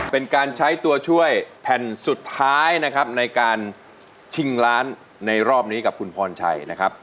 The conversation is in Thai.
เป็นการใช้ตัวช่วยแผ่นสุดท้ายนะครับในการชิงล้านในรอบนี้กับคุณพรชัยนะครับ